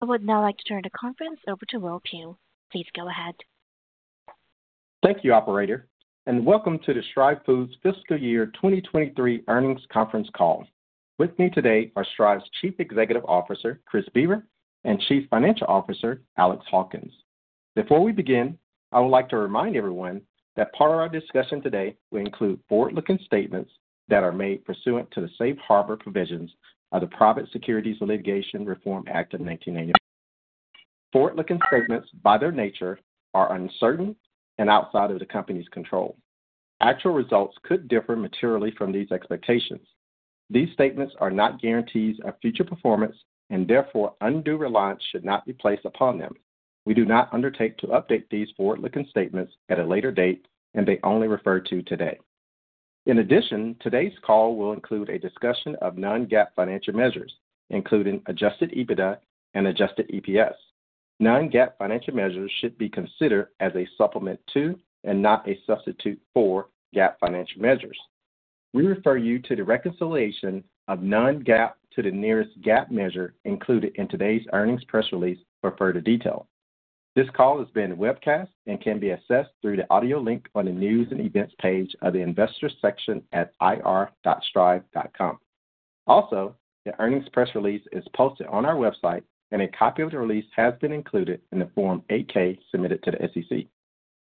I would now like to turn the conference over to Will Pugh. Please go ahead. Thank you, Operator, and welcome to the Stryve Foods Fiscal Year 2023 Earnings Conference Call. With me today are Stryve's Chief Executive Officer Chris Boever and Chief Financial Officer Alex Hawkins. Before we begin, I would like to remind everyone that part of our discussion today will include forward-looking statements that are made pursuant to the Safe Harbor provisions of the Private Securities Litigation Reform Act of 1995. Forward-looking statements, by their nature, are uncertain and outside of the company's control. Actual results could differ materially from these expectations. These statements are not guarantees of future performance and therefore undue reliance should not be placed upon them. We do not undertake to update these forward-looking statements at a later date and they only refer to today. In addition, today's call will include a discussion of non-GAAP financial measures, including adjusted EBITDA and adjusted EPS. Non-GAAP financial measures should be considered as a supplement to and not a substitute for GAAP financial measures. We refer you to the reconciliation of non-GAAP to the nearest GAAP measure included in today's earnings press release for further detail. This call has been webcast and can be accessed through the audio link on the news and events page of the investors section at ir.stryve.com. Also, the earnings press release is posted on our website and a copy of the release has been included in the Form 8-K submitted to the SEC.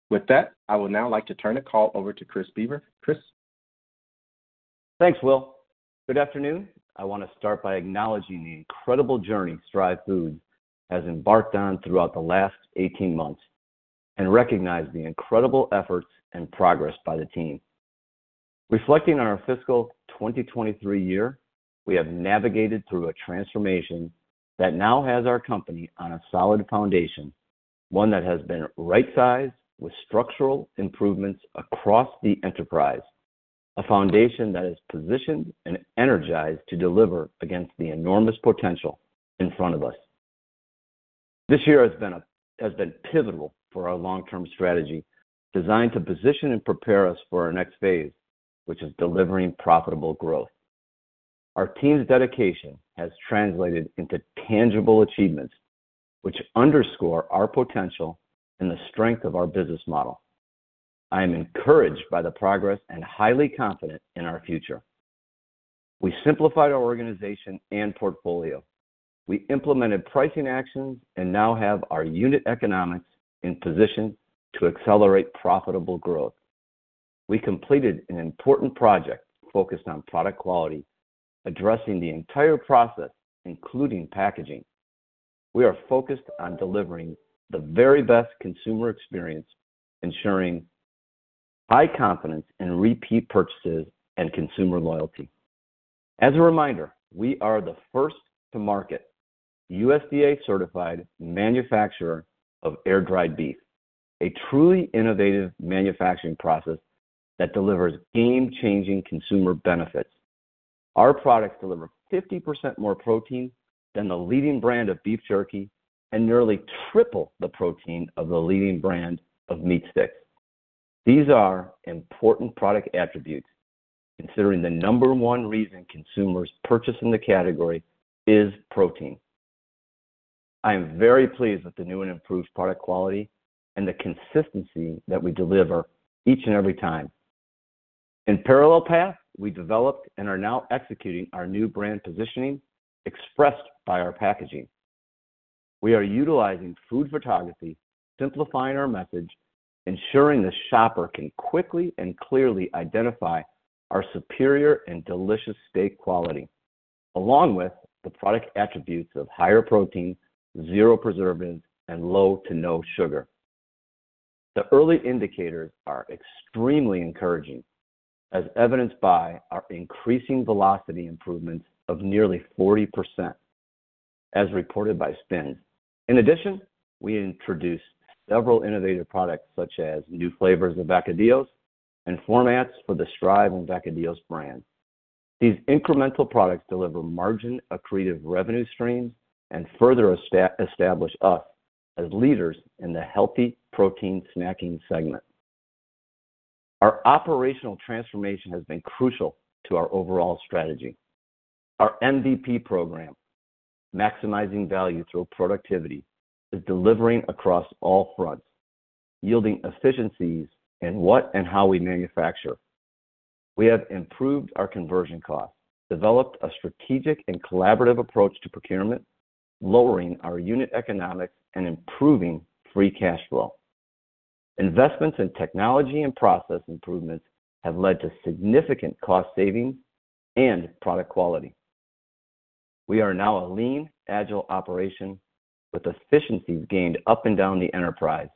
With that, I would now like to turn the call over to Chris Boever. Chris? Thanks, Will. Good afternoon. I want to start by acknowledging the incredible journey Stryve Foods has embarked on throughout the last 18 months and recognize the incredible efforts and progress by the team. Reflecting on our fiscal 2023 year, we have navigated through a transformation that now has our company on a solid foundation, one that has been right-sized with structural improvements across the enterprise, a foundation that is positioned and energized to deliver against the enormous potential in front of us. This year has been pivotal for our long-term strategy designed to position and prepare us for our next phase, which is delivering profitable growth. Our team's dedication has translated into tangible achievements, which underscore our potential and the strength of our business model. I am encouraged by the progress and highly confident in our future. We simplified our organization and portfolio. We implemented pricing actions and now have our unit economics in position to accelerate profitable growth. We completed an important project focused on product quality, addressing the entire process, including packaging. We are focused on delivering the very best consumer experience, ensuring high confidence in repeat purchases and consumer loyalty. As a reminder, we are the first-to-market USDA-certified manufacturer of air-dried beef, a truly innovative manufacturing process that delivers game-changing consumer benefits. Our products deliver 50% more protein than the leading brand of beef jerky and nearly triple the protein of the leading brand of meat sticks. These are important product attributes, considering the number one reason consumers purchase in the category is protein. I am very pleased with the new and improved product quality and the consistency that we deliver each and every time. In parallel path, we developed and are now executing our new brand positioning expressed by our packaging. We are utilizing food photography, simplifying our message, ensuring the shopper can quickly and clearly identify our superior and delicious steak quality, along with the product attributes of higher protein, zero preservatives, and low to no sugar. The early indicators are extremely encouraging, as evidenced by our increasing velocity improvements of nearly 40%, as reported by SPINS. In addition, we introduced several innovative products such as new flavors of Vacadillos and formats for the Stryve and Vacadillos brand. These incremental products deliver margin-accretive revenue streams and further establish us as leaders in the healthy protein snacking segment. Our operational transformation has been crucial to our overall strategy. Our MVP program, maximizing value through productivity, is delivering across all fronts, yielding efficiencies in what and how we manufacture. We have improved our conversion costs, developed a strategic and collaborative approach to procurement, lowering our unit economics, and improving free cash flow. Investments in technology and process improvements have led to significant cost savings and product quality. We are now a lean, agile operation with efficiencies gained up and down the enterprise,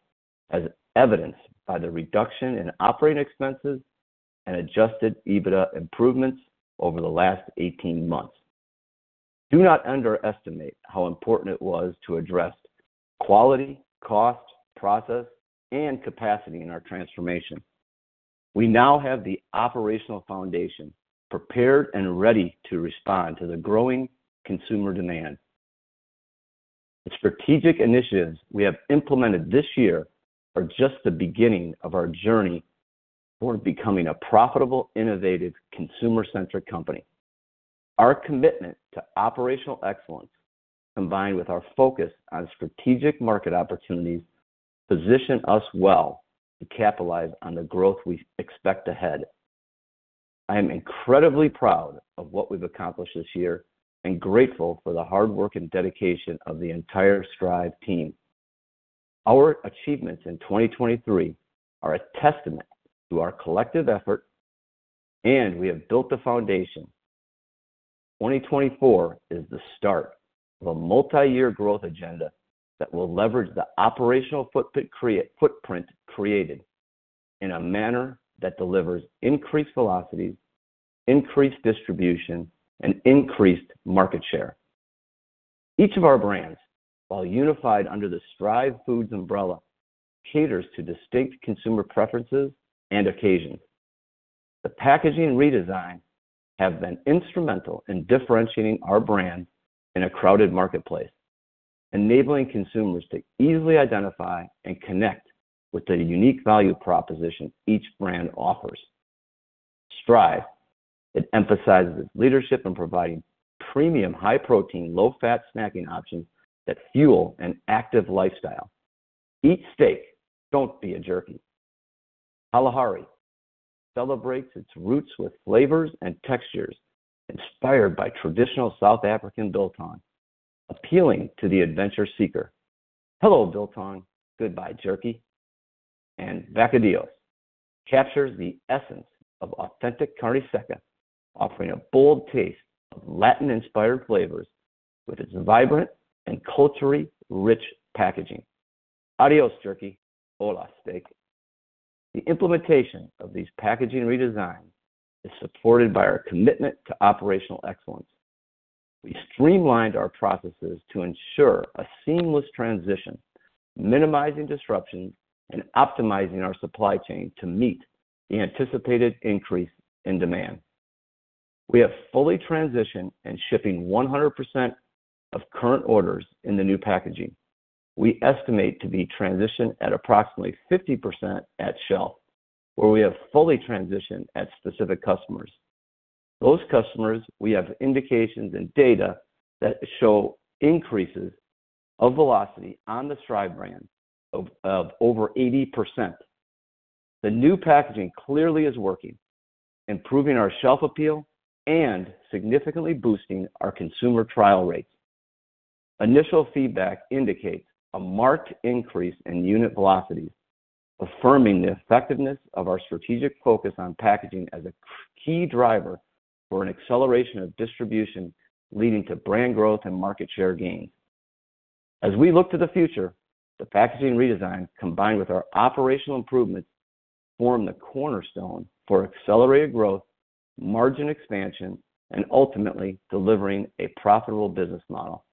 as evidenced by the reduction in operating expenses and adjusted EBITDA improvements over the last 18 months. Do not underestimate how important it was to address quality, cost, process, and capacity in our transformation. We now have the operational foundation prepared and ready to respond to the growing consumer demand. The strategic initiatives we have implemented this year are just the beginning of our journey toward becoming a profitable, innovative, consumer-centric company. Our commitment to operational excellence, combined with our focus on strategic market opportunities, position us well to capitalize on the growth we expect ahead. I am incredibly proud of what we've accomplished this year and grateful for the hard work and dedication of the entire Stryve team. Our achievements in 2023 are a testament to our collective effort, and we have built the foundation. 2024 is the start of a multi-year growth agenda that will leverage the operational footprint created in a manner that delivers increased velocities, increased distribution, and increased market share. Each of our brands, while unified under the Stryve Foods umbrella, caters to distinct consumer preferences and occasions. The packaging redesigns have been instrumental in differentiating our brand in a crowded marketplace, enabling consumers to easily identify and connect with the unique value proposition each brand offers. Stryve, it emphasizes its leadership in providing premium, high-protein, low-fat snacking options that fuel an active lifestyle. Eat steak. Don't be a jerky. Kalahari, it celebrates its roots with flavors and textures inspired by traditional South African biltong, appealing to the adventure seeker. Hello, biltong; goodbye, jerky. And Vacadillos, it captures the essence of authentic carne seca, offering a bold taste of Latin-inspired flavors with its vibrant and culturally rich packaging. Adiós, jerky. Hola, steak. The implementation of these packaging redesigns is supported by our commitment to operational excellence. We streamlined our processes to ensure a seamless transition, minimizing disruptions and optimizing our supply chain to meet the anticipated increase in demand. We have fully transitioned and shipping 100% of current orders in the new packaging. We estimate to be transitioned at approximately 50% at shelf, where we have fully transitioned at specific customers. Those customers, we have indications and data that show increases of velocity on the Stryve brand of over 80%. The new packaging clearly is working, improving our shelf appeal and significantly boosting our consumer trial rates. Initial feedback indicates a marked increase in unit velocities, affirming the effectiveness of our strategic focus on packaging as a key driver for an acceleration of distribution leading to brand growth and market share gains. As we look to the future, the packaging redesign, combined with our operational improvements, form the cornerstone for accelerated growth, margin expansion, and ultimately delivering a profitable business model.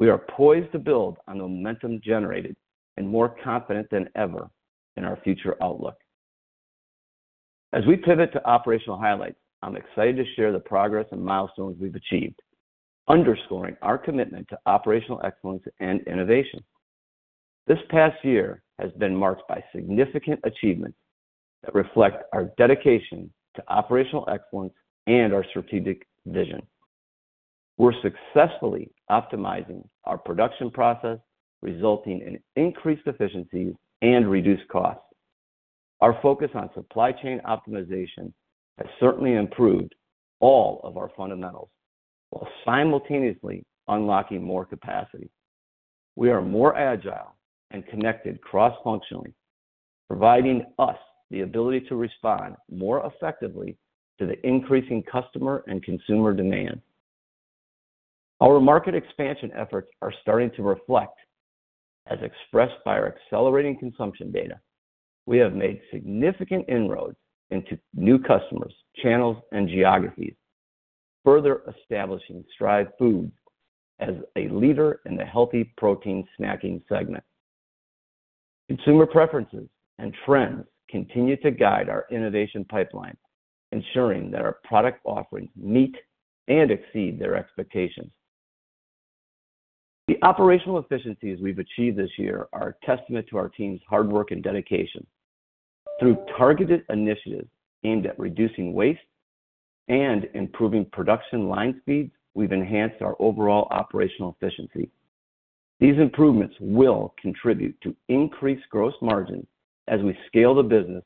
We are poised to build on the momentum generated and more confident than ever in our future outlook. As we pivot to operational highlights, I'm excited to share the progress and milestones we've achieved, underscoring our commitment to operational excellence and innovation. This past year has been marked by significant achievements that reflect our dedication to operational excellence and our strategic vision. We're successfully optimizing our production process, resulting in increased efficiencies and reduced costs. Our focus on supply chain optimization has certainly improved all of our fundamentals while simultaneously unlocking more capacity. We are more agile and connected cross-functionally, providing us the ability to respond more effectively to the increasing customer and consumer demand. Our market expansion efforts are starting to reflect, as expressed by our accelerating consumption data. We have made significant inroads into new customers, channels, and geographies, further establishing Stryve Foods as a leader in the healthy protein snacking segment. Consumer preferences and trends continue to guide our innovation pipeline, ensuring that our product offerings meet and exceed their expectations. The operational efficiencies we've achieved this year are a testament to our team's hard work and dedication. Through targeted initiatives aimed at reducing waste and improving production line speeds, we've enhanced our overall operational efficiency. These improvements will contribute to increased gross margins as we scale the business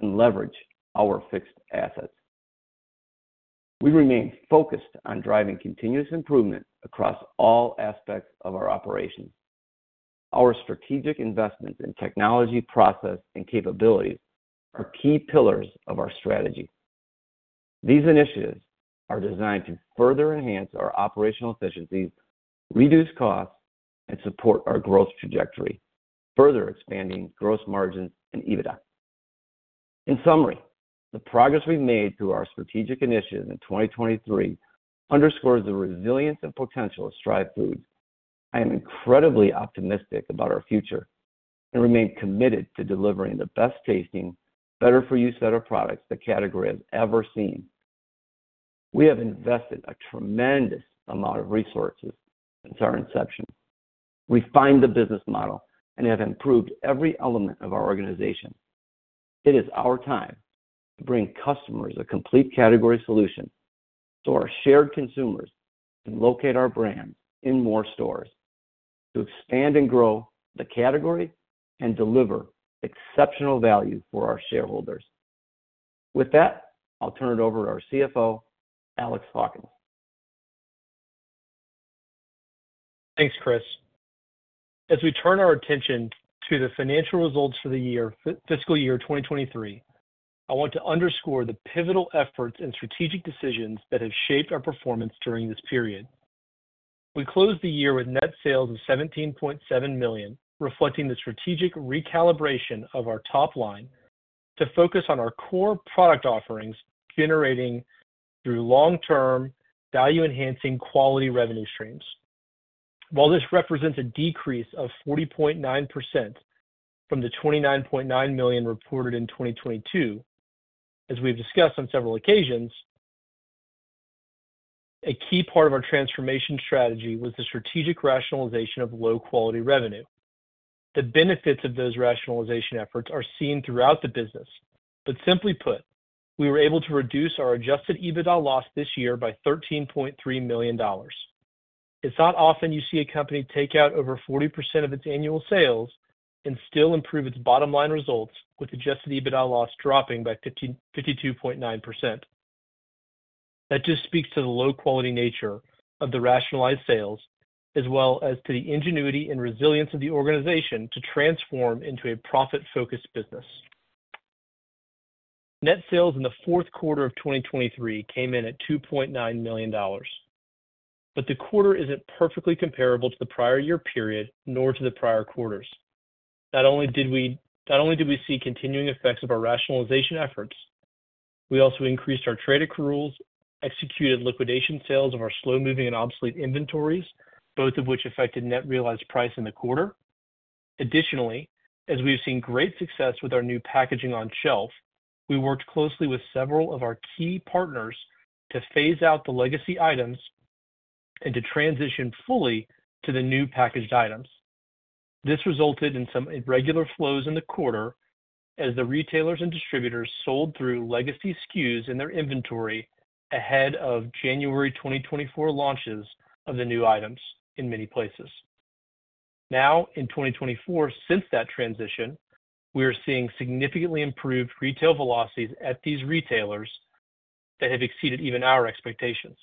and leverage our fixed assets. We remain focused on driving continuous improvement across all aspects of our operations. Our strategic investments in technology, process, and capabilities are key pillars of our strategy. These initiatives are designed to further enhance our operational efficiencies, reduce costs, and support our growth trajectory, further expanding gross margins and EBITDA. In summary, the progress we've made through our strategic initiatives in 2023 underscores the resilience and potential of Stryve Foods. I am incredibly optimistic about our future and remain committed to delivering the best tasting, better-for-you set of products the category has ever seen. We have invested a tremendous amount of resources since our inception. We've refined the business model and have improved every element of our organization. It is our time to bring customers a complete category solution, serve shared consumers, and locate our brands in more stores, to expand and grow the category and deliver exceptional value for our shareholders. With that, I'll turn it over to our CFO, Alex Hawkins. Thanks, Chris. As we turn our attention to the financial results for the fiscal year 2023, I want to underscore the pivotal efforts and strategic decisions that have shaped our performance during this period. We closed the year with net sales of $17.7 million, reflecting the strategic recalibration of our top line to focus on our core product offerings generating through long-term, value-enhancing quality revenue streams. While this represents a decrease of 40.9% from the $29.9 million reported in 2022, as we've discussed on several occasions, a key part of our transformation strategy was the strategic rationalization of low-quality revenue. The benefits of those rationalization efforts are seen throughout the business, but simply put, we were able to reduce our adjusted EBITDA loss this year by $13.3 million. It's not often you see a company take out over 40% of its annual sales and still improve its bottom line results, with adjusted EBITDA loss dropping by 52.9%. That just speaks to the low-quality nature of the rationalized sales, as well as to the ingenuity and resilience of the organization to transform into a profit-focused business. Net sales in the fourth quarter of 2023 came in at $2.9 million. But the quarter isn't perfectly comparable to the prior year period nor to the prior quarters. Not only did we see continuing effects of our rationalization efforts, we also increased our trade accruals, executed liquidation sales of our slow-moving and obsolete inventories, both of which affected net realized price in the quarter. Additionally, as we've seen great success with our new packaging on shelf, we worked closely with several of our key partners to phase out the legacy items and to transition fully to the new packaged items. This resulted in some irregular flows in the quarter as the retailers and distributors sold through legacy SKUs in their inventory ahead of January 2024 launches of the new items in many places. Now, in 2024, since that transition, we are seeing significantly improved retail velocities at these retailers that have exceeded even our expectations.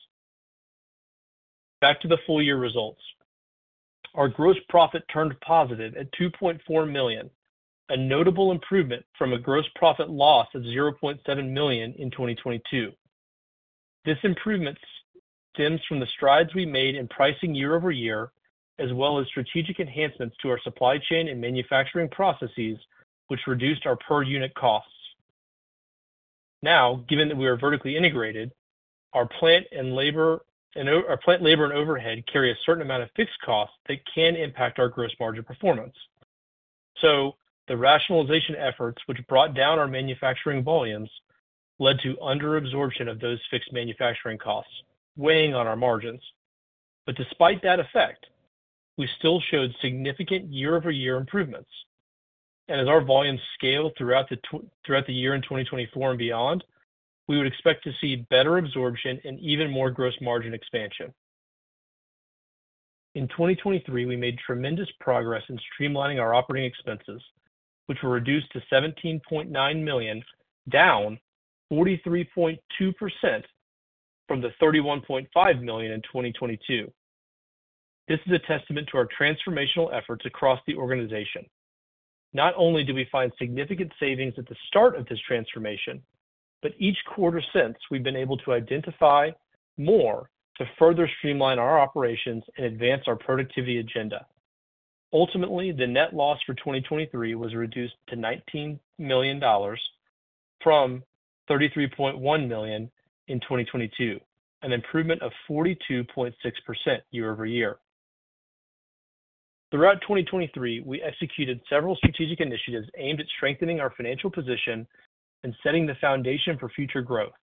Back to the full year results. Our gross profit turned positive at $2.4 million, a notable improvement from a gross profit loss of $0.7 million in 2022. This improvement stems from the strides we made in pricing year-over-year, as well as strategic enhancements to our supply chain and manufacturing processes, which reduced our per-unit costs. Now, given that we are vertically integrated, our plant labor and overhead carry a certain amount of fixed costs that can impact our gross margin performance. The rationalization efforts, which brought down our manufacturing volumes, led to underabsorption of those fixed manufacturing costs, weighing on our margins. Despite that effect, we still showed significant year-over-year improvements. As our volumes scale throughout the year in 2024 and beyond, we would expect to see better absorption and even more gross margin expansion. In 2023, we made tremendous progress in streamlining our operating expenses, which were reduced to $17.9 million, down 43.2% from the $31.5 million in 2022. This is a testament to our transformational efforts across the organization. Not only do we find significant savings at the start of this transformation, but each quarter since, we've been able to identify more to further streamline our operations and advance our productivity agenda. Ultimately, the net loss for 2023 was reduced to $19 million from $33.1 million in 2022, an improvement of 42.6% year-over-year. Throughout 2023, we executed several strategic initiatives aimed at strengthening our financial position and setting the foundation for future growth.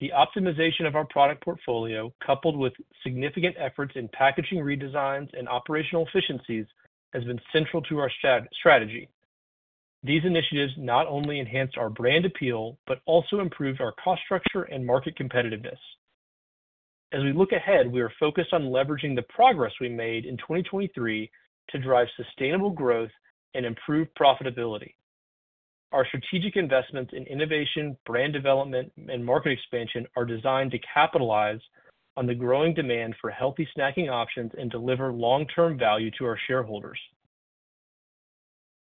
The optimization of our product portfolio, coupled with significant efforts in packaging redesigns and operational efficiencies, has been central to our strategy. These initiatives not only enhanced our brand appeal but also improved our cost structure and market competitiveness. As we look ahead, we are focused on leveraging the progress we made in 2023 to drive sustainable growth and improve profitability. Our strategic investments in innovation, brand development, and market expansion are designed to capitalize on the growing demand for healthy snacking options and deliver long-term value to our shareholders.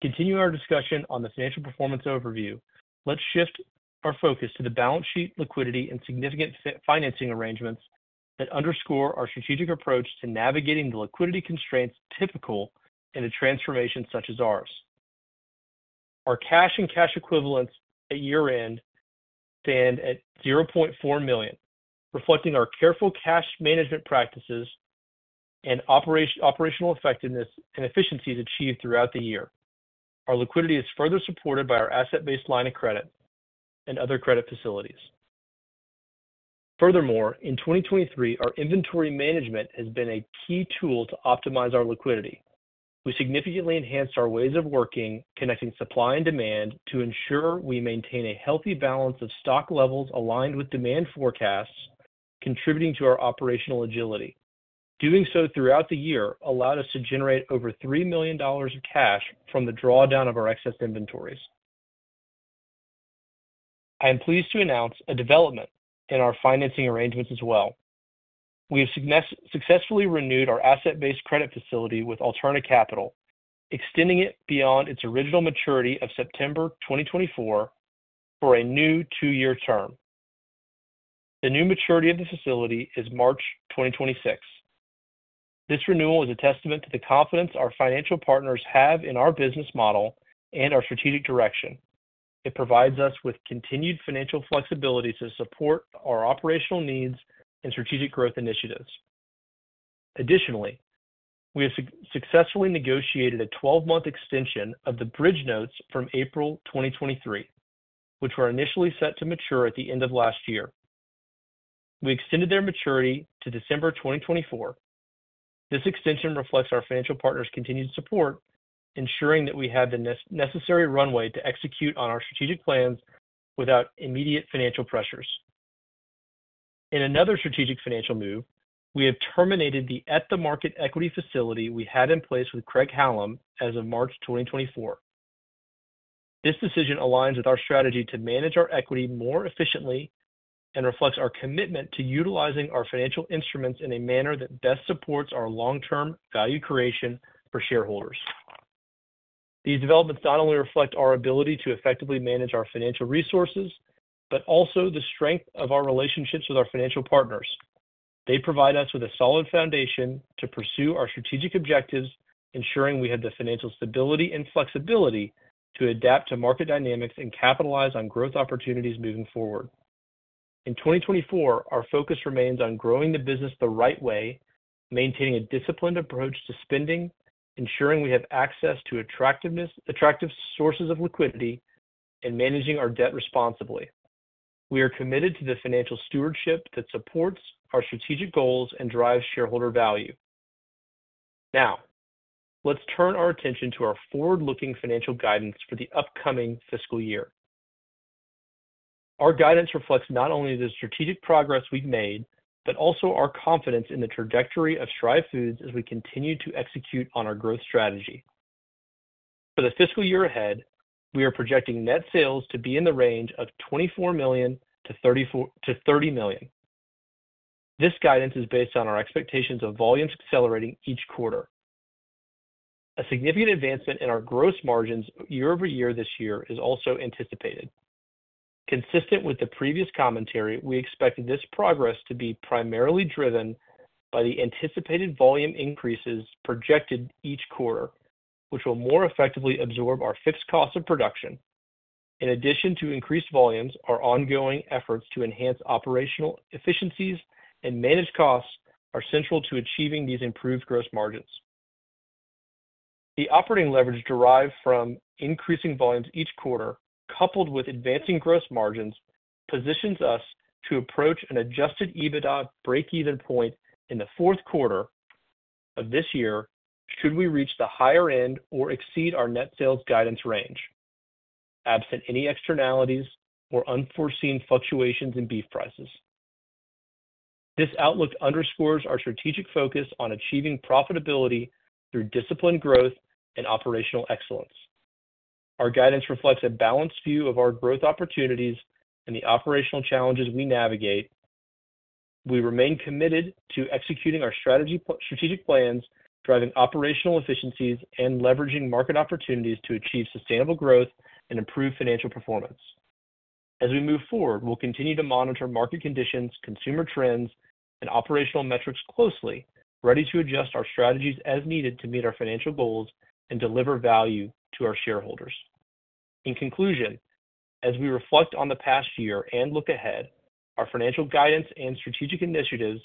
Continuing our discussion on the financial performance overview, let's shift our focus to the balance sheet, liquidity, and significant financing arrangements that underscore our strategic approach to navigating the liquidity constraints typical in a transformation such as ours. Our cash and cash equivalents at year-end stand at $0.4 million, reflecting our careful cash management practices and operational effectiveness and efficiencies achieved throughout the year. Our liquidity is further supported by our asset-based line of credit and other credit facilities. Furthermore, in 2023, our inventory management has been a key tool to optimize our liquidity. We significantly enhanced our ways of working, connecting supply and demand to ensure we maintain a healthy balance of stock levels aligned with demand forecasts, contributing to our operational agility. Doing so throughout the year allowed us to generate over $3 million of cash from the drawdown of our excess inventories. I am pleased to announce a development in our financing arrangements as well. We have successfully renewed our asset-based credit facility with Alterna Capital, extending it beyond its original maturity of September 2024 for a new two-year term. The new maturity of the facility is March 2026. This renewal is a testament to the confidence our financial partners have in our business model and our strategic direction. It provides us with continued financial flexibility to support our operational needs and strategic growth initiatives. Additionally, we have successfully negotiated a 12-month extension of the bridge notes from April 2023, which were initially set to mature at the end of last year. We extended their maturity to December 2024. This extension reflects our financial partners' continued support, ensuring that we have the necessary runway to execute on our strategic plans without immediate financial pressures. In another strategic financial move, we have terminated the at-the-market equity facility we had in place with Craig-Hallum as of March 2024. This decision aligns with our strategy to manage our equity more efficiently and reflects our commitment to utilizing our financial instruments in a manner that best supports our long-term value creation for shareholders. These developments not only reflect our ability to effectively manage our financial resources but also the strength of our relationships with our financial partners. They provide us with a solid foundation to pursue our strategic objectives, ensuring we have the financial stability and flexibility to adapt to market dynamics and capitalize on growth opportunities moving forward. In 2024, our focus remains on growing the business the right way, maintaining a disciplined approach to spending, ensuring we have access to attractive sources of liquidity, and managing our debt responsibly. We are committed to the financial stewardship that supports our strategic goals and drives shareholder value. Now, let's turn our attention to our forward-looking financial guidance for the upcoming fiscal year. Our guidance reflects not only the strategic progress we've made but also our confidence in the trajectory of Stryve Foods as we continue to execute on our growth strategy. For the fiscal year ahead, we are projecting net sales to be in the range of $24 million-$30 million. This guidance is based on our expectations of volumes accelerating each quarter. A significant advancement in our gross margins year-over-year this year is also anticipated. Consistent with the previous commentary, we expect this progress to be primarily driven by the anticipated volume increases projected each quarter, which will more effectively absorb our fixed costs of production. In addition to increased volumes, our ongoing efforts to enhance operational efficiencies and manage costs are central to achieving these improved gross margins. The operating leverage derived from increasing volumes each quarter, coupled with advancing gross margins, positions us to approach an adjusted EBITDA breakeven point in the fourth quarter of this year should we reach the higher end or exceed our net sales guidance range, absent any externalities or unforeseen fluctuations in beef prices. This outlook underscores our strategic focus on achieving profitability through disciplined growth and operational excellence. Our guidance reflects a balanced view of our growth opportunities and the operational challenges we navigate. We remain committed to executing our strategic plans, driving operational efficiencies, and leveraging market opportunities to achieve sustainable growth and improve financial performance. As we move forward, we'll continue to monitor market conditions, consumer trends, and operational metrics closely, ready to adjust our strategies as needed to meet our financial goals and deliver value to our shareholders. In conclusion, as we reflect on the past year and look ahead, our financial guidance and strategic initiatives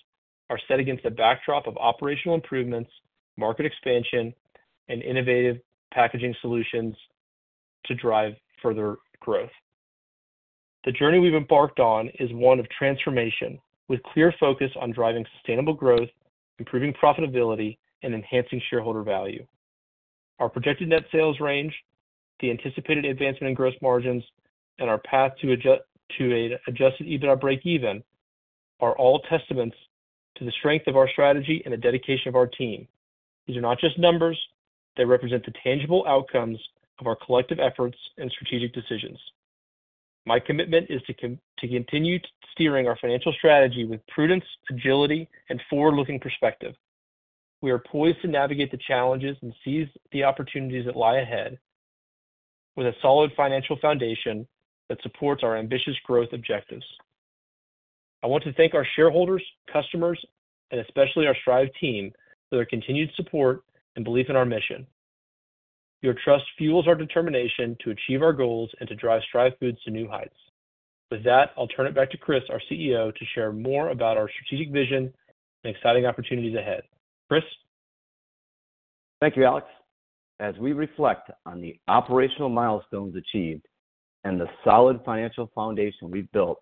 are set against a backdrop of operational improvements, market expansion, and innovative packaging solutions to drive further growth. The journey we've embarked on is one of transformation, with clear focus on driving sustainable growth, improving profitability, and enhancing shareholder value. Our projected net sales range, the anticipated advancement in gross margins, and our path to an adjusted EBITDA breakeven are all testaments to the strength of our strategy and the dedication of our team. These are not just numbers. They represent the tangible outcomes of our collective efforts and strategic decisions. My commitment is to continue steering our financial strategy with prudence, agility, and forward-looking perspective. We are poised to navigate the challenges and seize the opportunities that lie ahead with a solid financial foundation that supports our ambitious growth objectives. I want to thank our shareholders, customers, and especially our Stryve team for their continued support and belief in our mission. Your trust fuels our determination to achieve our goals and to drive Stryve Foods to new heights. With that, I'll turn it back to Chris, our CEO, to share more about our strategic vision and exciting opportunities ahead. Chris? Thank you, Alex. As we reflect on the operational milestones achieved and the solid financial foundation we've built,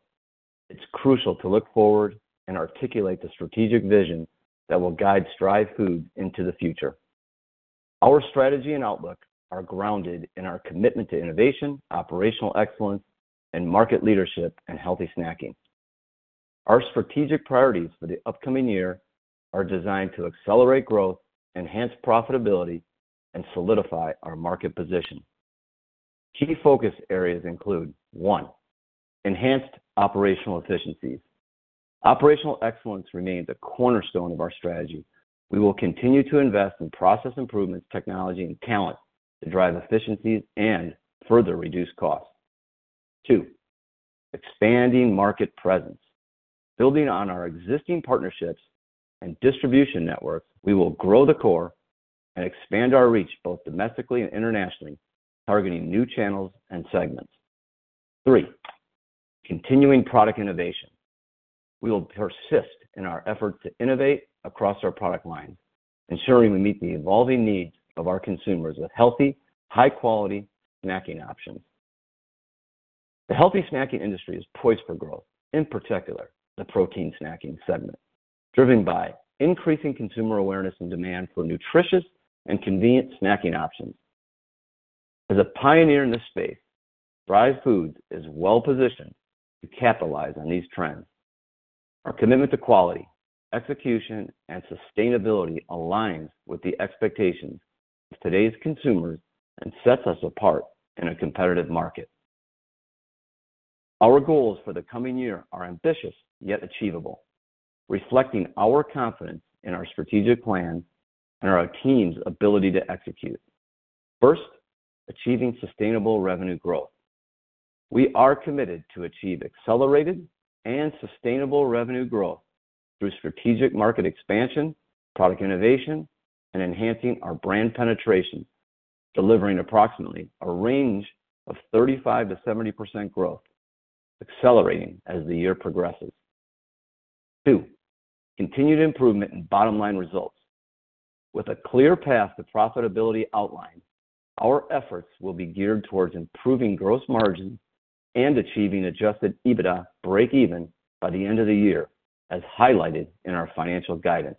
it's crucial to look forward and articulate the strategic vision that will guide Stryve Foods into the future. Our strategy and outlook are grounded in our commitment to innovation, operational excellence, and market leadership and healthy snacking. Our strategic priorities for the upcoming year are designed to accelerate growth, enhance profitability, and solidify our market position. Key focus areas include: one, enhanced operational efficiencies. Operational excellence remains a cornerstone of our strategy. We will continue to invest in process improvements, technology, and talent to drive efficiencies and further reduce costs. Two, expanding market presence. Building on our existing partnerships and distribution networks, we will grow the core and expand our reach both domestically and internationally, targeting new channels and segments. Three, continuing product innovation. We will persist in our efforts to innovate across our product lines, ensuring we meet the evolving needs of our consumers with healthy, high-quality snacking options. The healthy snacking industry is poised for growth, in particular the protein snacking segment, driven by increasing consumer awareness and demand for nutritious and convenient snacking options. As a pioneer in this space, Stryve Foods is well-positioned to capitalize on these trends. Our commitment to quality, execution, and sustainability aligns with the expectations of today's consumers and sets us apart in a competitive market. Our goals for the coming year are ambitious yet achievable, reflecting our confidence in our strategic plan and our team's ability to execute. First, achieving sustainable revenue growth. We are committed to achieve accelerated and sustainable revenue growth through strategic market expansion, product innovation, and enhancing our brand penetration, delivering approximately a range of 35%-70% growth, accelerating as the year progresses. Two, continued improvement in bottom-line results. With a clear path to profitability outlined, our efforts will be geared towards improving gross margins and achieving adjusted EBITDA breakeven by the end of the year, as highlighted in our financial guidance.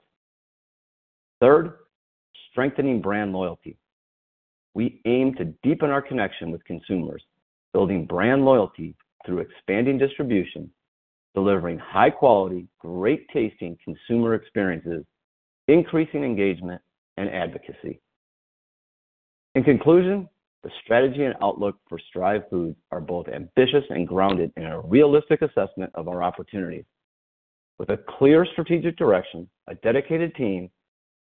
Third, strengthening brand loyalty. We aim to deepen our connection with consumers, building brand loyalty through expanding distribution, delivering high-quality, great-tasting consumer experiences, increasing engagement, and advocacy. In conclusion, the strategy and outlook for Stryve Foods are both ambitious and grounded in a realistic assessment of our opportunities. With a clear strategic direction, a dedicated team,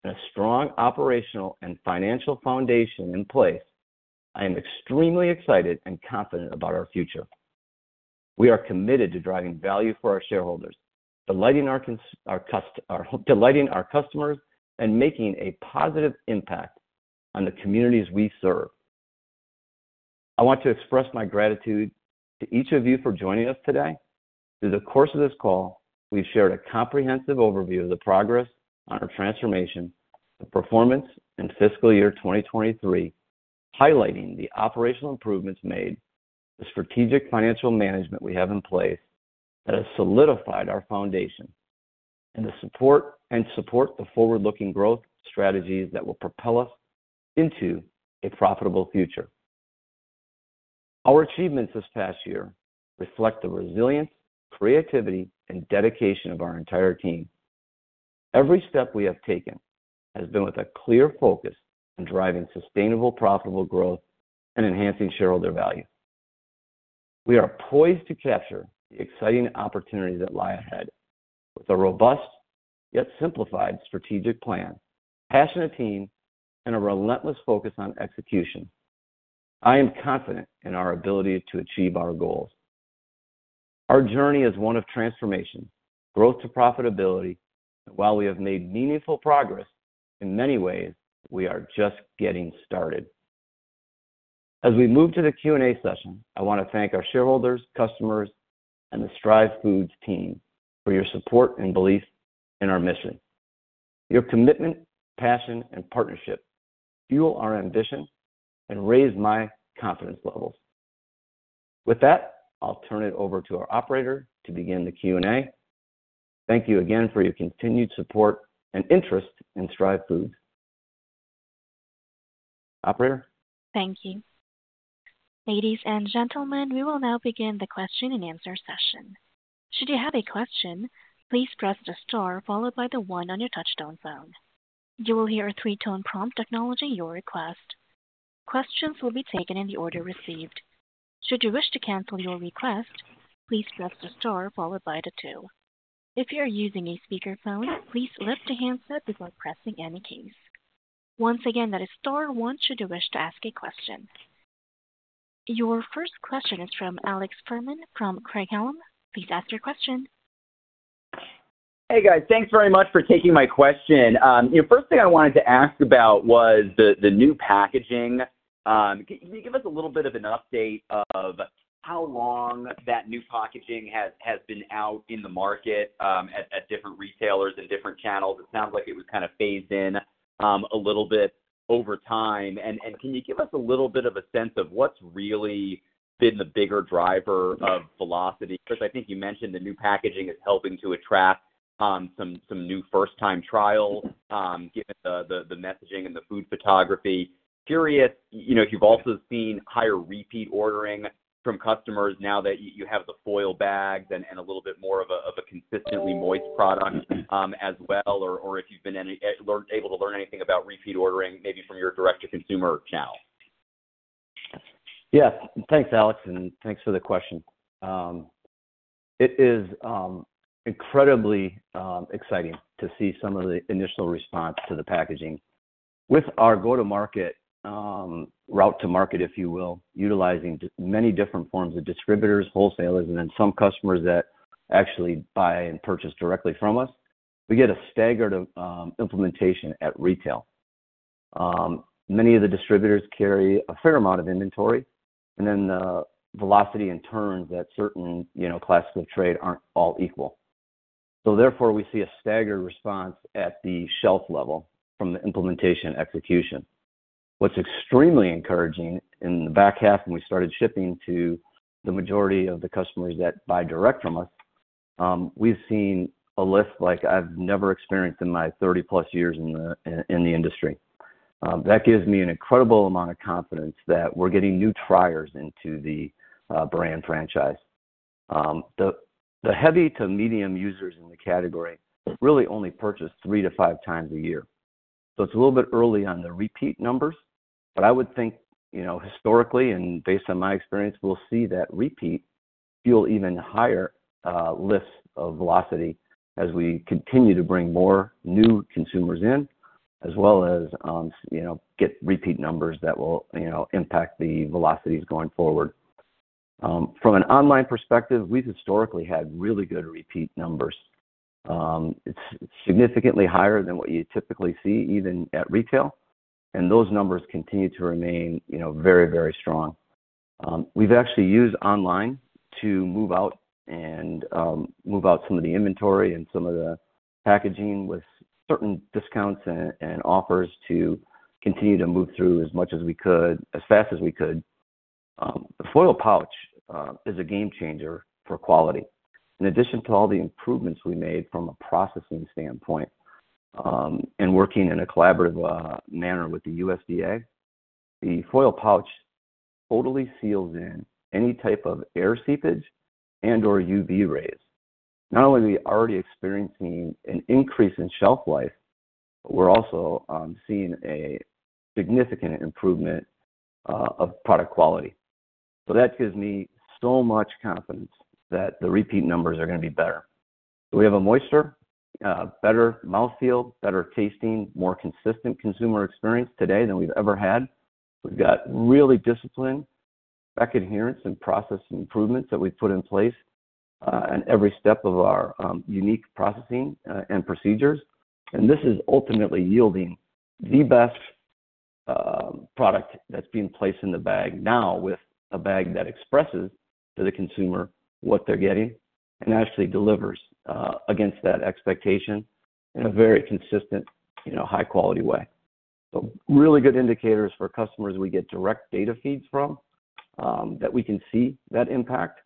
and a strong operational and financial foundation in place, I am extremely excited and confident about our future. We are committed to driving value for our shareholders, delighting our customers, and making a positive impact on the communities we serve. I want to express my gratitude to each of you for joining us today. Through the course of this call, we've shared a comprehensive overview of the progress on our transformation, the performance in fiscal year 2023, highlighting the operational improvements made, the strategic financial management we have in place that has solidified our foundation, and the support to support the forward-looking growth strategies that will propel us into a profitable future. Our achievements this past year reflect the resilience, creativity, and dedication of our entire team. Every step we have taken has been with a clear focus on driving sustainable, profitable growth and enhancing shareholder value. We are poised to capture the exciting opportunities that lie ahead with a robust yet simplified strategic plan, passionate team, and a relentless focus on execution. I am confident in our ability to achieve our goals. Our journey is one of transformation, growth to profitability, and while we have made meaningful progress in many ways, we are just getting started. As we move to the Q&A session, I want to thank our shareholders, customers, and the Stryve Foods team for your support and belief in our mission. Your commitment, passion, and partnership fuel our ambition and raise my confidence levels. With that, I'll turn it over to our operator to begin the Q&A. Thank you again for your continued support and interest in Stryve Foods. Operator? Thank you. Ladies and gentlemen, we will now begin the question-and-answer session. Should you have a question, please press the star followed by the one on your touch-tone phone. You will hear a three-tone prompt acknowledging your request. Questions will be taken in the order received. Should you wish to cancel your request, please press the star followed by the two. If you are using a speakerphone, please lift the handset before pressing any keys. Once again, that is star one should you wish to ask a question. Your first question is from Alex Fuhrman from Craig-Hallum. Please ask your question. Hey guys, thanks very much for taking my question. First thing I wanted to ask about was the new packaging. Can you give us a little bit of an update of how long that new packaging has been out in the market at different retailers and different channels? It sounds like it was kind of phased in a little bit over time. Can you give us a little bit of a sense of what's really been the bigger driver of velocity? Chris, I think you mentioned the new packaging is helping to attract some new first-time trials given the messaging and the food photography. Curious if you've also seen higher repeat ordering from customers now that you have the foil bags and a little bit more of a consistently moist product as well, or if you've been able to learn anything about repeat ordering maybe from your direct-to-consumer channel. Yes, thanks Alex, and thanks for the question. It is incredibly exciting to see some of the initial response to the packaging. With our go-to-market route to market, if you will, utilizing many different forms of distributors, wholesalers, and then some customers that actually buy and purchase directly from us, we get a staggered implementation at retail. Many of the distributors carry a fair amount of inventory, and then velocity in turns that certain classes of trade aren't all equal. So therefore, we see a staggered response at the shelf level from the implementation execution. What's extremely encouraging in the back half when we started shipping to the majority of the customers that buy direct from us, we've seen a lift like I've never experienced in my 30+ years in the industry. That gives me an incredible amount of confidence that we're getting new triers into the brand franchise. The heavy to medium users in the category really only purchase three to five times a year. So it's a little bit early on the repeat numbers, but I would think historically and based on my experience, we'll see that repeat fuel even higher lifts of velocity as we continue to bring more new consumers in as well as get repeat numbers that will impact the velocities going forward. From an online perspective, we've historically had really good repeat numbers. It's significantly higher than what you typically see even at retail, and those numbers continue to remain very, very strong. We've actually used online to move out and move out some of the inventory and some of the packaging with certain discounts and offers to continue to move through as much as we could, as fast as we could. The foil pouch is a game changer for quality. In addition to all the improvements we made from a processing standpoint and working in a collaborative manner with the USDA, the foil pouch totally seals in any type of air seepage and/or UV rays. Not only are we already experiencing an increase in shelf life, but we're also seeing a significant improvement of product quality. So that gives me so much confidence that the repeat numbers are going to be better. We have a moisture, better mouthfeel, better tasting, more consistent consumer experience today than we've ever had. We've got really disciplined, track adherence, and process improvements that we've put in place at every step of our unique processing and procedures. And this is ultimately yielding the best product that's being placed in the bag now with a bag that expresses to the consumer what they're getting and actually delivers against that expectation in a very consistent, high-quality way. So, really good indicators for customers we get direct data feeds from that we can see that impact,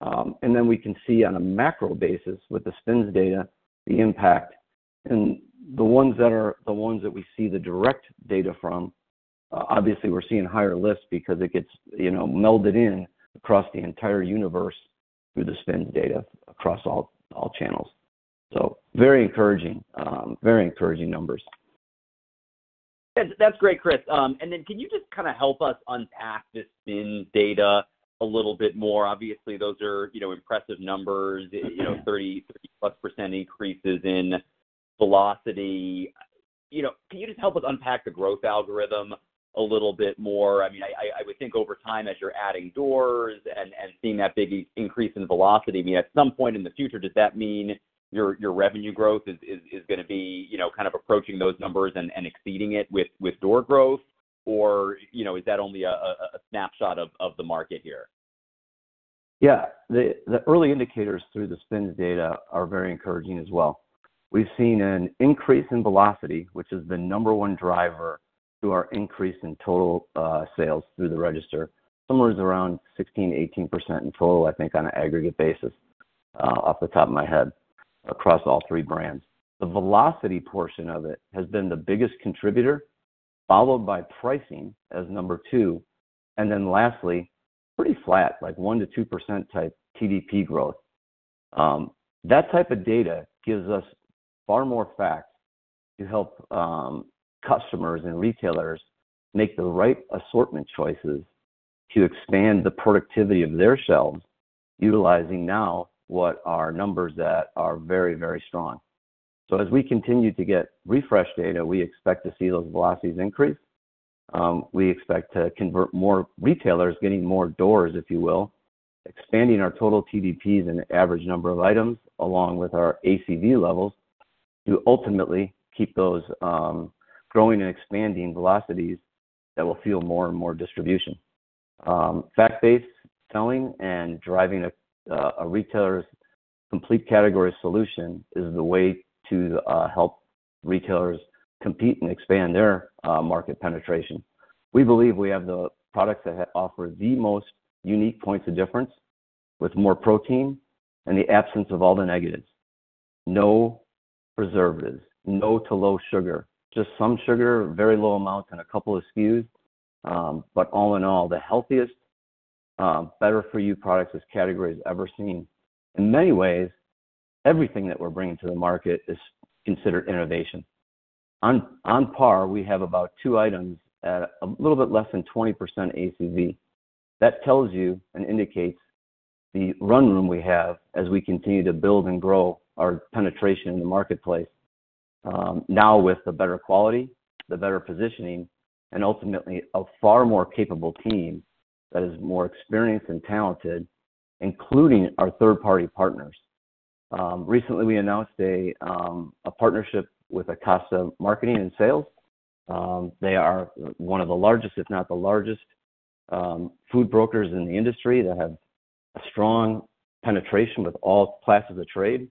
and then we can see on a macro basis with the SPINS data the impact. And the ones that are the ones that we see the direct data from, obviously we're seeing higher lifts because it gets melded in across the entire universe through the SPINS data across all channels. So very encouraging, very encouraging numbers. That's great, Chris. And then can you just kind of help us unpack this SPINS data a little bit more? Obviously, those are impressive numbers, 30%+ increases in velocity. Can you just help us unpack the growth algorithm a little bit more? I mean, I would think over time as you're adding doors and seeing that big increase in velocity, I mean, at some point in the future, does that mean your revenue growth is going to be kind of approaching those numbers and exceeding it with door growth, or is that only a snapshot of the market here? Yeah, the early indicators through the SPINS data are very encouraging as well. We've seen an increase in velocity, which is the number one driver to our increase in total sales through the register. Somewhere around 16%-18% in total, I think, on an aggregate basis, off the top of my head, across all three brands. The velocity portion of it has been the biggest contributor, followed by pricing as number two, and then lastly, pretty flat, like 1%-2% type TDP growth. That type of data gives us far more facts to help customers and retailers make the right assortment choices to expand the productivity of their shelves utilizing now what are numbers that are very, very strong. So as we continue to get refreshed data, we expect to see those velocity increase. We expect to convert more retailers getting more doors, if you will, expanding our total TDPs and average number of items along with our ACV levels to ultimately keep those growing and expanding velocities that will fuel more and more distribution. Fact-based selling and driving a retailer's complete category solution is the way to help retailers compete and expand their market penetration. We believe we have the products that offer the most unique points of difference with more protein and the absence of all the negatives. No preservatives, no-to-low sugar, just some sugar, very low amounts and a couple of SKUs. But all in all, the healthiest, better-for-you products as categories ever seen. In many ways, everything that we're bringing to the market is considered innovation. On par, we have about two items at a little bit less than 20% ACV. That tells you and indicates the run room we have as we continue to build and grow our penetration in the marketplace now with the better quality, the better positioning, and ultimately a far more capable team that is more experienced and talented, including our third-party partners. Recently, we announced a partnership with Acosta Group. They are one of the largest, if not the largest, food brokers in the industry that have a strong penetration with all classes of trade.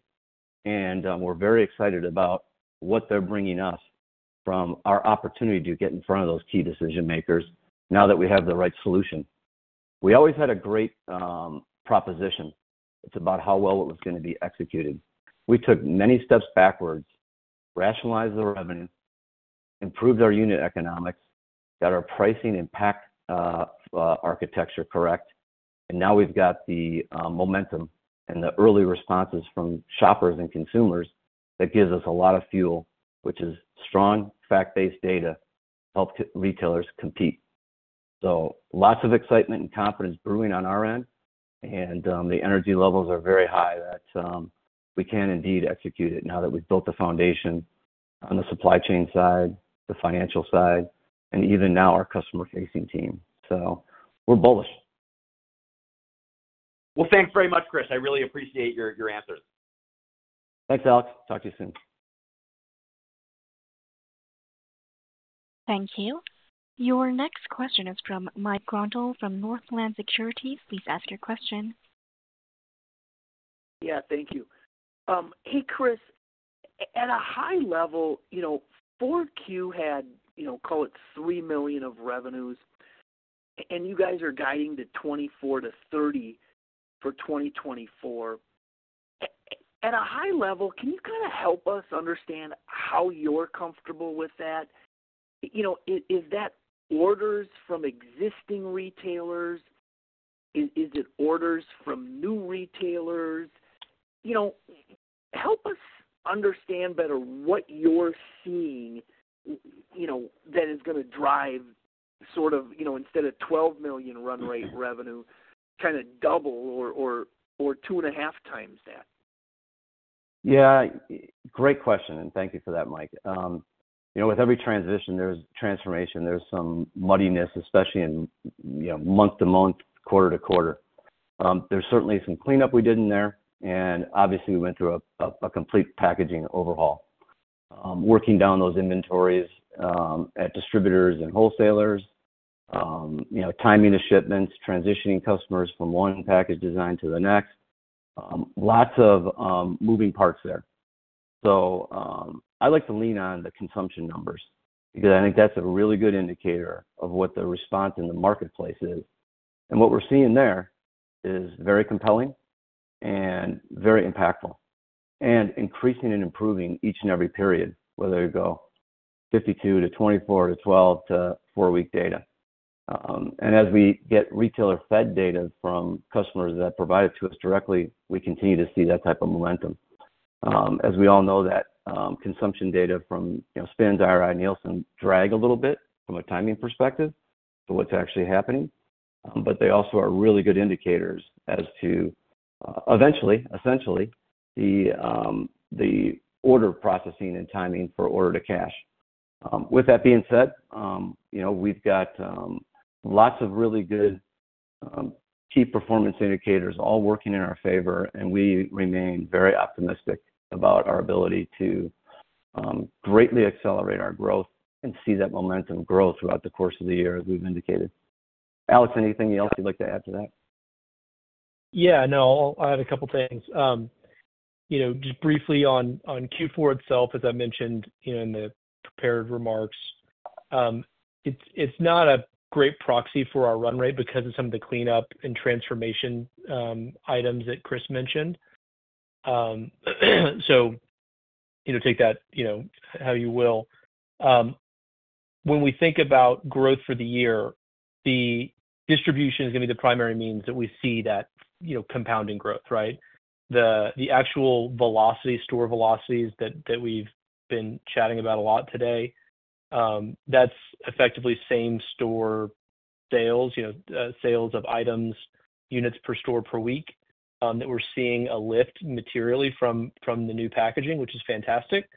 We're very excited about what they're bringing us from our opportunity to get in front of those key decision-makers now that we have the right solution. We always had a great proposition. It's about how well it was going to be executed. We took many steps backwards, rationalized the revenue, improved our unit economics, got our pricing impact architecture correct, and now we've got the momentum and the early responses from shoppers and consumers that gives us a lot of fuel, which is strong fact-based data to help retailers compete. So lots of excitement and confidence brewing on our end, and the energy levels are very high that we can indeed execute it now that we've built the foundation on the supply chain side, the financial side, and even now our customer-facing team. So we're bullish. Well, thanks very much, Chris. I really appreciate your answers. Thanks, Alex. Talk to you soon. Thank you. Your next question is from Mike Grondahl from Northland Securities. Please ask your question. Yeah, thank you. Hey, Chris, at a high level, 4Q had, call it, $3 million of revenues, and you guys are guiding to $24 million-$30 million for 2024. At a high level, can you kind of help us understand how you're comfortable with that? Is that orders from existing retailers? Is it orders from new retailers? Help us understand better what you're seeing that is going to drive sort of, instead of $12 million run rate revenue, kind of double or two and a half times that. Yeah, great question, and thank you for that, Mike. With every transition, there's transformation. There's some muddiness, especially in month-to-month, quarter-to-quarter. There's certainly some cleanup we did in there, and obviously, we went through a complete packaging overhaul. Working down those inventories at distributors and wholesalers, timing the shipments, transitioning customers from one package design to the next, lots of moving parts there. So I like to lean on the consumption numbers because I think that's a really good indicator of what the response in the marketplace is. And what we're seeing there is very compelling and very impactful and increasing and improving each and every period, whether you go 52 to 24 to 12 to four-week data. And as we get retailer-fed data from customers that provide it to us directly, we continue to see that type of momentum. As we all know, that consumption data from SPINS IRI Nielsen drag a little bit from a timing perspective to what's actually happening, but they also are really good indicators as to eventually, essentially, the order processing and timing for order to cash. With that being said, we've got lots of really good key performance indicators all working in our favor, and we remain very optimistic about our ability to greatly accelerate our growth and see that momentum grow throughout the course of the year as we've indicated. Alex, anything else you'd like to add to that? Yeah, no, I had a couple of things. Just briefly on Q4 itself, as I mentioned in the prepared remarks, it's not a great proxy for our run rate because of some of the cleanup and transformation items that Chris mentioned. So take that how you will. When we think about growth for the year, the distribution is going to be the primary means that we see that compounding growth, right? The actual store velocities that we've been chatting about a lot today, that's effectively same store sales, sales of items, units per store per week that we're seeing a lift materially from the new packaging, which is fantastic.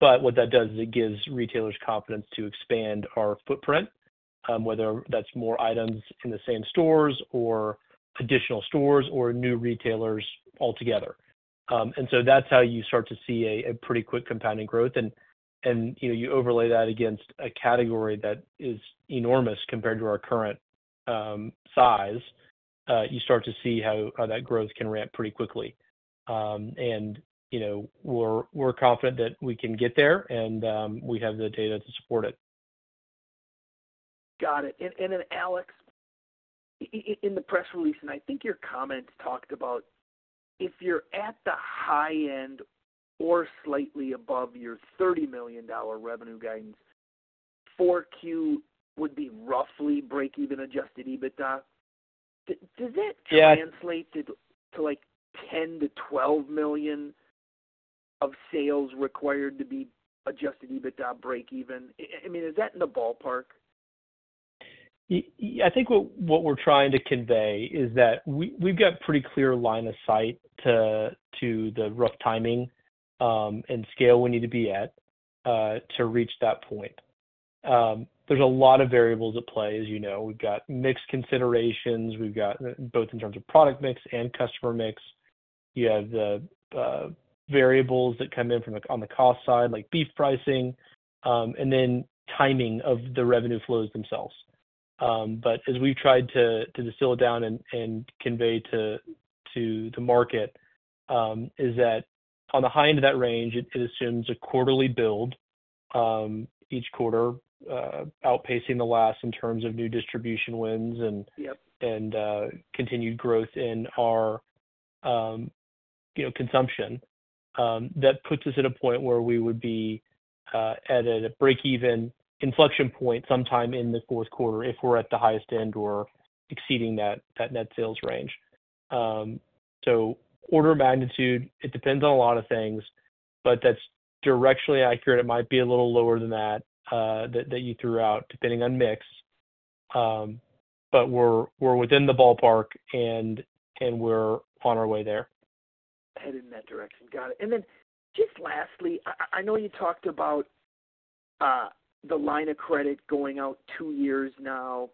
But what that does is it gives retailers confidence to expand our footprint, whether that's more items in the same stores or additional stores or new retailers altogether. And so that's how you start to see a pretty quick compounding growth. You overlay that against a category that is enormous compared to our current size, you start to see how that growth can ramp pretty quickly. We're confident that we can get there, and we have the data to support it. Got it. And then Alex, in the press release, and I think your comments talked about if you're at the high end or slightly above your $30 million revenue guidance, 4Q would be roughly break-even adjusted EBITDA. Does that translate to $10 million-$12 million of sales required to be adjusted EBITDA break-even? I mean, is that in the ballpark? I think what we're trying to convey is that we've got a pretty clear line of sight to the rough timing and scale we need to be at to reach that point. There's a lot of variables at play, as you know. We've got mixed considerations. We've got both in terms of product mix and customer mix. You have the variables that come in from on the cost side, like beef pricing, and then timing of the revenue flows themselves. But as we've tried to distill it down and convey to the market, is that on the high end of that range, it assumes a quarterly build each quarter, outpacing the last in terms of new distribution wins and continued growth in our consumption. That puts us at a point where we would be at a break-even inflection point sometime in the fourth quarter if we're at the highest end or exceeding that net sales range. So, order of magnitude, it depends on a lot of things, but that's directionally accurate. It might be a little lower than that that you threw out, depending on mix. But we're within the ballpark, and we're on our way there. Heading that direction. Got it. And then just lastly, I know you talked about the line of credit going out two years now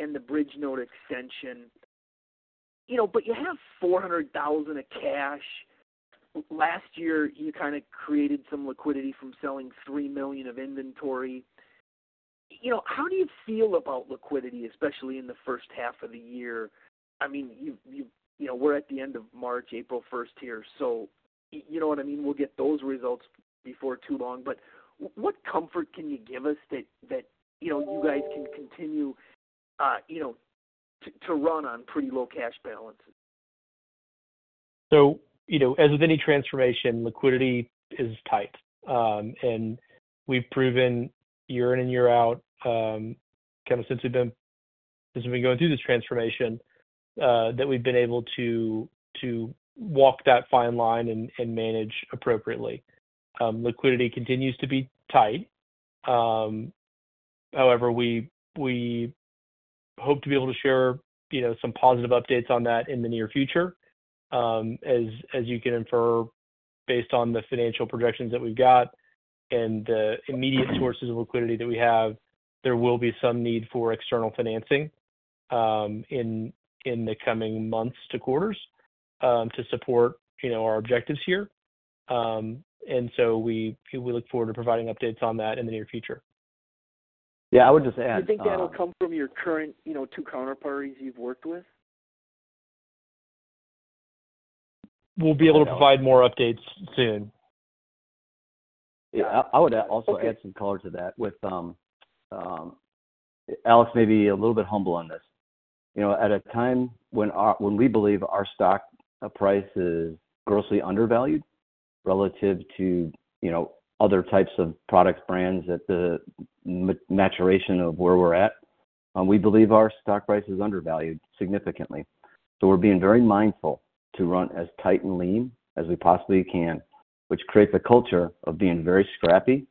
and the bridge note extension, but you have $400,000 of cash. Last year, you kind of created some liquidity from selling $3 million of inventory. How do you feel about liquidity, especially in the first half of the year? I mean, we're at the end of March, April 1st here, so you know what I mean? We'll get those results before too long. But what comfort can you give us that you guys can continue to run on pretty low cash balances? As with any transformation, liquidity is tight. We've proven year in and year out, kind of since we've been going through this transformation, that we've been able to walk that fine line and manage appropriately. Liquidity continues to be tight. However, we hope to be able to share some positive updates on that in the near future. As you can infer, based on the financial projections that we've got and the immediate sources of liquidity that we have, there will be some need for external financing in the coming months to quarters to support our objectives here. We look forward to providing updates on that in the near future. Yeah, I would just add. Do you think that'll come from your current two counterparties you've worked with? We'll be able to provide more updates soon. Yeah, I would also add some color to that with Alex, maybe a little bit humble on this. At a time when we believe our stock price is grossly undervalued relative to other types of products, brands at the maturation of where we're at, we believe our stock price is undervalued significantly. So we're being very mindful to run as tight and lean as we possibly can, which creates a culture of being very scrappy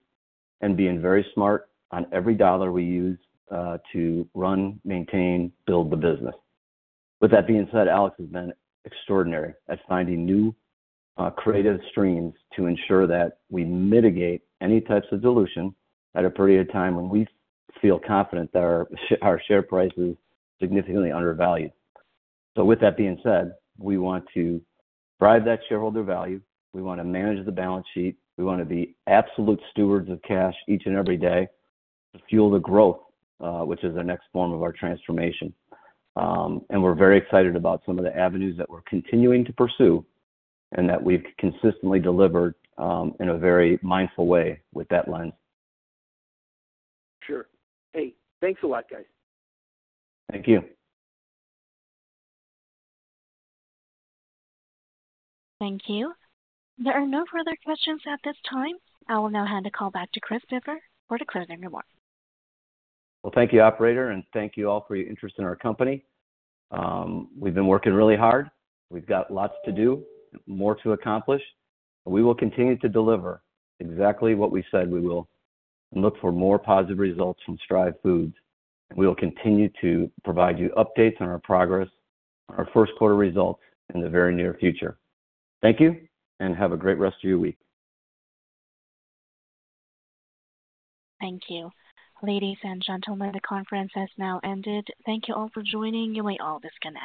and being very smart on every dollar we use to run, maintain, build the business. With that being said, Alex has been extraordinary at finding new creative streams to ensure that we mitigate any types of dilution at a period of time when we feel confident that our share price is significantly undervalued. So with that being said, we want to drive that shareholder value. We want to manage the balance sheet. We want to be absolute stewards of cash each and every day to fuel the growth, which is the next form of our transformation. We're very excited about some of the avenues that we're continuing to pursue and that we've consistently delivered in a very mindful way with that lens. Sure. Hey, thanks a lot, guys. Thank you. Thank you. There are no further questions at this time. I will now hand the call back to Chris Boever for the closing remarks. Well, thank you, operator, and thank you all for your interest in our company. We've been working really hard. We've got lots to do, more to accomplish. We will continue to deliver exactly what we said we will and look for more positive results from Stryve Foods. And we will continue to provide you updates on our progress, on our first quarter results in the very near future. Thank you, and have a great rest of your week. Thank you. Ladies and gentlemen, the conference has now ended. Thank you all for joining. You may all disconnect.